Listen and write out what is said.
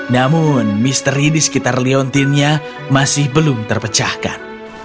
namun misteri di sekitar leontinnya masih belum terpecahkan